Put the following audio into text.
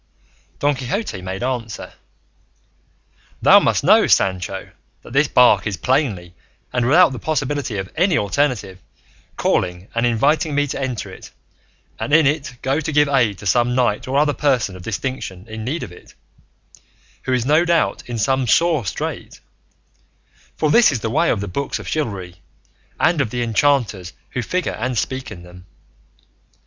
Don Quixote made answer, "Thou must know, Sancho, that this bark is plainly, and without the possibility of any alternative, calling and inviting me to enter it, and in it go to give aid to some knight or other person of distinction in need of it, who is no doubt in some sore strait; for this is the way of the books of chivalry and of the enchanters who figure and speak in them.